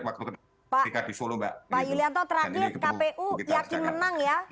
pak yulianto terakhir kpu yakin menang ya